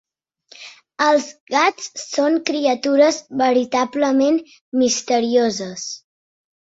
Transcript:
Els gats són criatures veritablement misterioses.